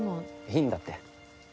いいんだって。